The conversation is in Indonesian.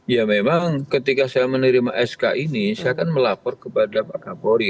ya memang ketika saya menerima sk ini saya akan melapor kepada pak kapolri